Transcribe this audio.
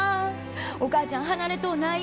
お母ちゃん離れとうない。